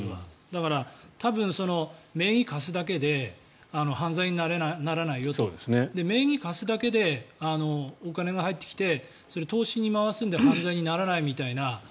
だから、多分名義を貸すだけで犯罪にならないよと。名義を貸すだけでお金が入ってきてそれを投資に回すので犯罪にならないみたいな。